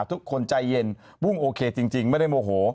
ทุกคนใจเย็นวุ่งโอเคจริงไม่ได้โมโห